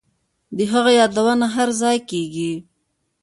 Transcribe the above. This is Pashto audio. د هغه یادونه هرځای کیږي